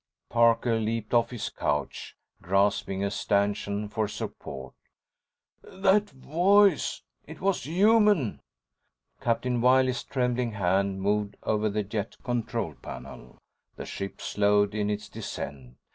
Parker leaped off his couch, grasping a stanchion for support. "That voice! It was human!" Captain Wiley's trembling hand moved over the jet control panel. The ship slowed in its descent.